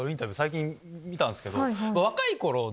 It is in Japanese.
最近見たんすけど。